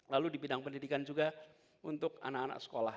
lalu di bidang pendidikan juga untuk anak anak sekolah